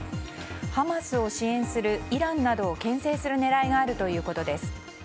ハマスを支援するイランなどを牽制する狙いがあるということです。